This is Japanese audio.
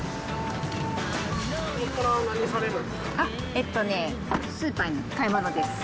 えっとね、スーパーに買い物です。